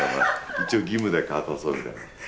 一応義務だけ果たそうみたいな。